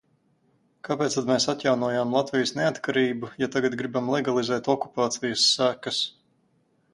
Kāpēc tad mēs atjaunojām Latvijas neatkarību, ja tagad gribam legalizēt okupācijas sekas?